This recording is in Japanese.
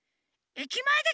駅前で！？